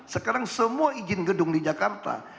sekarang semua izin gedung di jakarta